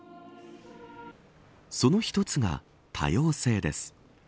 その一つが、多様性です。